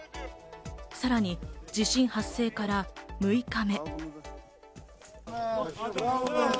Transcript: さらに地震発生から６日目。